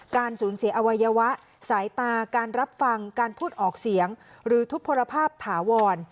การสูญเสียอวัยวะสายตาการรับฟังการพูดออกเสียงหรือทุบพลภาพถาวร